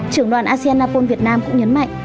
trưởng đoàn aseanapol việt nam cũng nhấn mạnh